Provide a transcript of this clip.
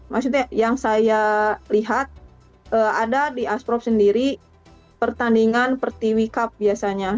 maksudnya yang saya lihat ada di asprov sendiri pertandingan per tiwi cup biasanya